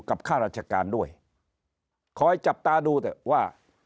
กับข้ารัจจัดการด้วยขอให้จับตาดูว่า